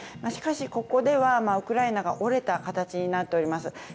しかし、ここではウクライナが折れた形になっております。